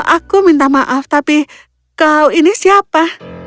aku minta maaf tapi kau ini siapa